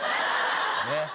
ねっ。